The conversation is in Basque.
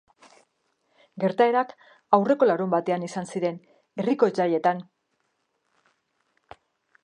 Gertaerak aurreko larunbatean izan ziren, herriko jaietan.